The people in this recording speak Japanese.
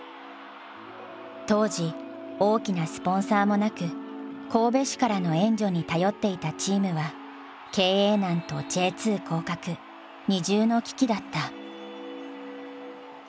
当時大きなスポンサーもなく神戸市からの援助に頼っていたチームは経営難とＪ２降格二重の危機だった。